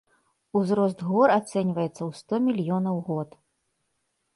Узрост гор ацэньваецца ў сто мільёнаў год.